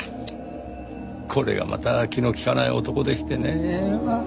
これがまた気の利かない男でしてねぇ。